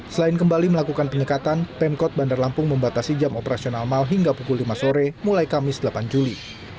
selain kembali melakukan penyekatan pemkot bandar lampung membatasi jam operasional mal hingga pukul lima sore mulai kamis delapan juli